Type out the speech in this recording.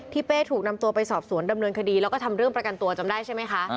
เป้ถูกนำตัวไปสอบสวนดำเนินคดีแล้วก็ทำเรื่องประกันตัวจำได้ใช่ไหมคะ